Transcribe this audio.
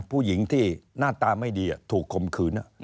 ผู้หญิงที่หน้าตาไม่ดีถูกคมขืน